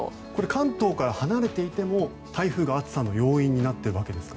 関東から離れていても台風が暑さの要因になっているわけですか？